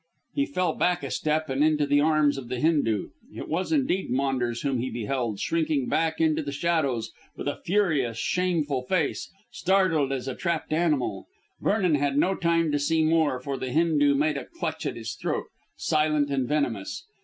He fell back a step and into the arms of the Hindoo. It was indeed Maunders whom he beheld, shrinking back into the shadows with a furious, shameful face, startled as a trapped animal. Vernon had no time to see more, for the Hindoo made a clutch at his throat, silent and venomous.